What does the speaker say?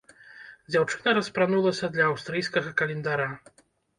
Дзяўчына распранулася для аўстрыйскага календара.